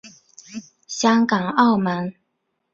香港澳门